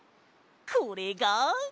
これが！